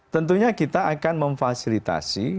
tentunya kita akan memfasilitasi